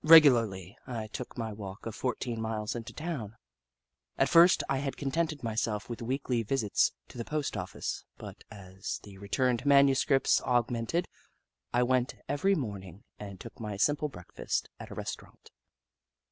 Regularly, I took my walk of fourteen miles into town. At first I had contented myself with weekly visits to the post office, but as the returned manuscripts augmented, I went every morning and took my simple breakfast at a restaurant.